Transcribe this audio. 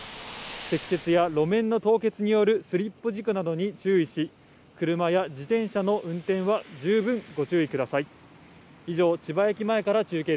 積雪や路面の凍結によるスリップ事故などに注意し、車や自転車の運転は十分ご注意ください。